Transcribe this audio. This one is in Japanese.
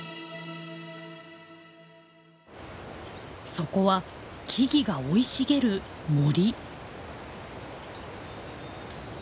そこは木々が生い茂る森。